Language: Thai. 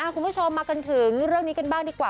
คุณผู้ชมมากันถึงเรื่องนี้กันบ้างดีกว่า